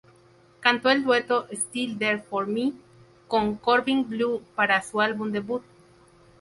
Cantó el dueto "Still There For Me" con Corbin Bleu para su álbum debut.